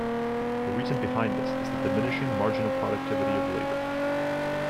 The reason behind this is the diminishing marginal productivity of labor.